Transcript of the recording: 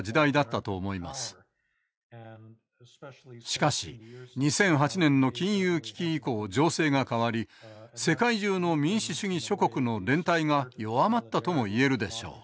しかし２００８年の金融危機以降情勢が変わり世界中の民主主義諸国の連帯が弱まったとも言えるでしょう。